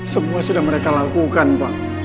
semua sudah mereka lakukan pak